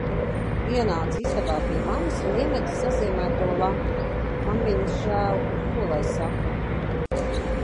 Ienāca istabā pie manis un iemeta sazīmēto lapu. Man viņas žēl, ko lai saka.